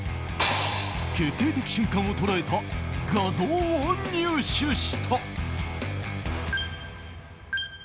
決定的瞬間を捉えた画像を入手した。